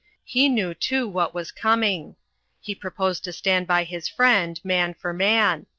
He knew too what was coming. He proposed to stand by his friend, man for man.